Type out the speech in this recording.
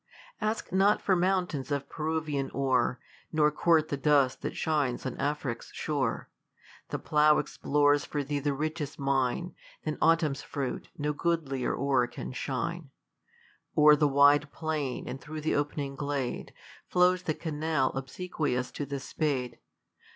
Ask net for mountains of Peruvian ore, Nor court the dust that shines on Afric's shore. The plough explores for thee the richest mine ; Than autumn's fruit, no goodlier ore can shine. O'er the wide plain and through the opening glade. Flows the canal obsequious to the spade.